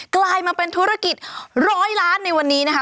กลายมาเป็นธุรกิจร้อยล้านในวันนี้นะคะ